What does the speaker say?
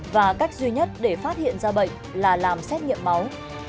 và cách duy nhất để phát hiện ra bệnh là làm xét nghiệm máu